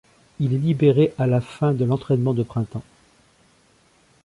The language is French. Il est libéré à la fin de l'entraînement de printemps.